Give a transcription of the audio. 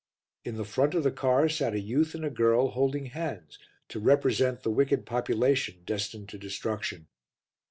In the front of the car sat a youth and a girl holding hands to represent the wicked population destined to destruction.